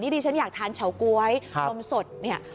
นี่ดีฉันอยากทานเฉาก๊วยต้มสด